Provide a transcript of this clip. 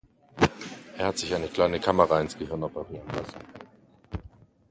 Er hat sich eine kleine Kamera ins Gehirn operieren lassen.